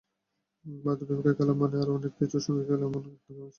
ভারতের বিপক্ষে খেলা মানে আরও অনেক কিছুর সঙ্গে খেলা, এমন একটা ধারণা আছেই।